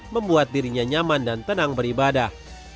membuat dirinya nyaman dan tenang beribadah